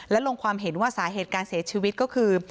และลงความเห็นว่าสาเหตุการเสียชีวิตก็คือ